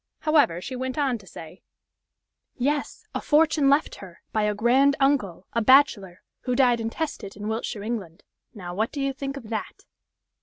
However, she went on to say: "Yes! a fortune left her, by a grand uncle, a bachelor, who died intestate in Wiltshire, England. Now, what do you think of that!"